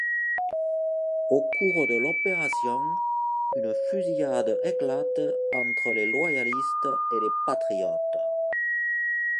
Au cours de l’opération, une fusillade éclate entre les loyalistes et les patriotes.